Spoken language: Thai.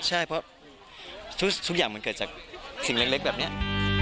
ใช่เพราะทุกอย่างมันเกิดจากสิ่งเล็กแบบนี้